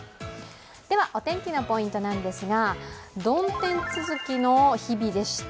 ではお天気のポイントなんですが、曇天続きの日々でした。